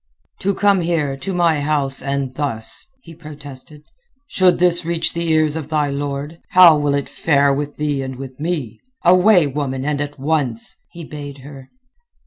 "To come here, to my house, and thus!" he protested. "Should this reach the ears of thy lord, how will it fare with thee and with me? Away, woman, and at once!" he bade her.